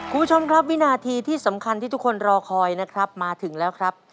คุณผู้ชมครับวินาทีที่สำคัญที่ทุกคนรอคอยนะครับมาถึงแล้วครับ